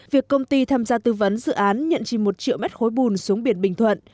việc công ty tham gia tư vấn dự án nhận chỉ một triệu mét khối bùn xuống biển bình thuận